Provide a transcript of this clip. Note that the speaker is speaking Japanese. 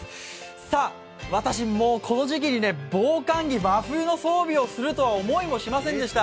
さあ、私、この時期に防寒着、真冬の装備をするとは思いませんでした。